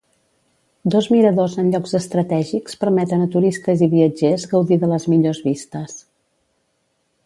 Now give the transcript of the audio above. Dos miradors en llocs estratègics permeten a turistes i viatgers gaudir de les millors vistes.